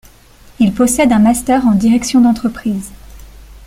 Il possède un master en direction d'entreprises.